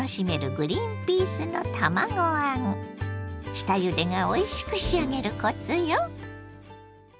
下ゆでがおいしく仕上げるコツよ。